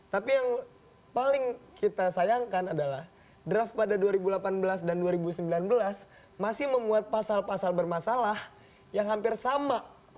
tapi yang paling kita sayangkan adalah draft pada dua ribu delapan belas dan dua ribu sembilan belas masih memuat pasal pasal bermasalah yang hampir sama